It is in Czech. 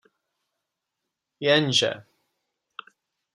Jenže...